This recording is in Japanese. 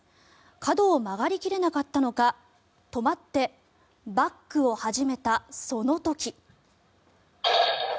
角を曲がり切れなかったのか止まってバックを始めたその時。